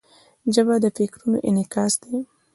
ژبه د فکرونو انعکاس ده.